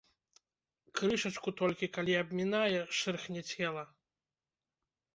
Крышачку толькі, калі абмінае, шэрхне цела.